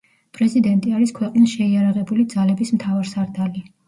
პრეზიდენტი არის ქვეყნის შეიარაღებული ძალების მთავარსარდალი.